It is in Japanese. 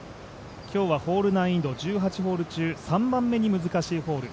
今日はホール難易度１８ホール中３番目に難しいホール。